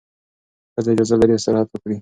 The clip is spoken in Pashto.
ښځه اجازه لري استراحت وکړي.